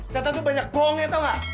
setan tuh banyak bohongnya tau gak